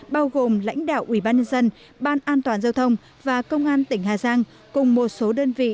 bao gồm lãnh đạo ubnd ban an toàn giao thông và công an tỉnh hà giang cùng một số đơn vị